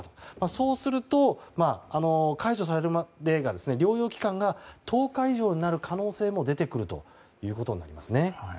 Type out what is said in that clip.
そうすると解除されるまでの療養期間が１０日以上になる可能性も出てくるということになります。